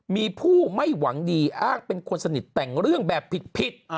มีผู้ไม่หวังดีอ้างเป็นคนสนิทแต่งเรื่องแบบผิด